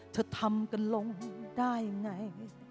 ทำกันลงได้ไง